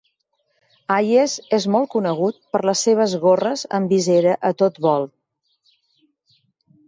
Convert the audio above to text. Hayes és molt conegut per les seves gorres amb visera a tot volt.